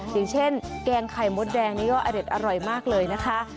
อย่างเช่นแกงไข่มดแดงนี่ก็อเด็ดอร่อยมากเลยนะคะ